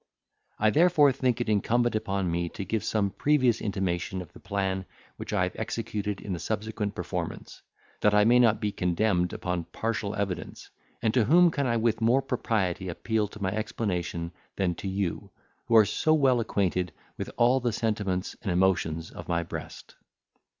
I therefore think it incumbent upon me to give some previous intimation of the plan which I have executed in the subsequent performance, that I may not be condemned upon partial evidence; and to whom can I with more propriety appeal in my explanation than to you, who are so well acquainted with all the sentiments and emotions of my breast?